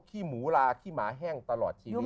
ให้หมูหลามาแห้งตลอดชีวิต